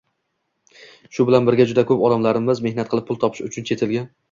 Shu bilan birga juda ko‘p odamlarimiz mehnat qilib pul topish uchun chet elga